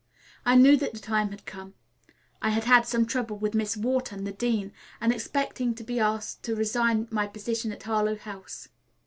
I knew that the time had come. I had had some trouble with Miss Wharton, the dean, and expecting to be asked to resign my position at Harlowe House.